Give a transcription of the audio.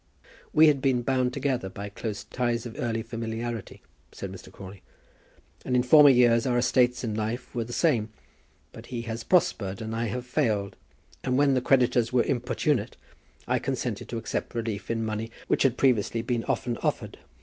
"We had been bound together by close ties of early familiarity," said Mr. Crawley, "and in former years our estates in life were the same. But he has prospered and I have failed. And when creditors were importunate, I consented to accept relief in money which had previously been often offered.